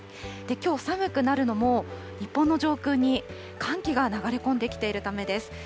きょう、寒くなるのも、日本の上空に寒気が流れ込んできているためです。